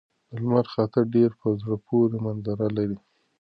د لمر خاته ډېر په زړه پورې منظر لري.